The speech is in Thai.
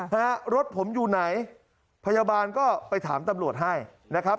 ฮะรถผมอยู่ไหนพยาบาลก็ไปถามตำรวจให้นะครับ